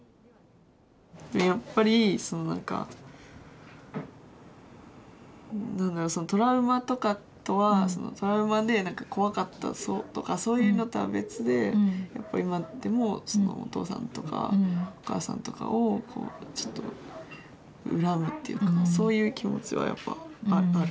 やっぱりその何か何だろうそのトラウマとかとはトラウマで何か怖かったとかそういうのとは別でやっぱり今でもお父さんとかお母さんとかをこうちょっと恨むっていうかそういう気持ちはやっぱある。